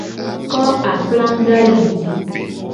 Ko aplaga yi ji :